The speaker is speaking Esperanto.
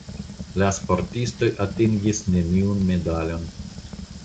La sportistoj atingis neniun medalon.